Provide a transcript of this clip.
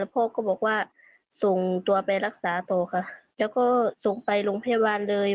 พ่อก็บอกว่าส่งตัวไปรักษาต่อค่ะแล้วก็ส่งไปโรงพยาบาลเลย